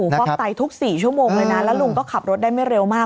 ฟอกไตทุก๔ชั่วโมงเลยนะแล้วลุงก็ขับรถได้ไม่เร็วมาก